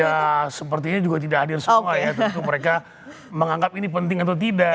ya sepertinya juga tidak hadir semua ya tentu mereka menganggap ini penting atau tidak